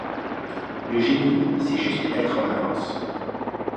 Le génie, c'est juste être en avance.